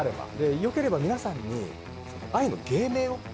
よければ皆さんに、愛の芸名を。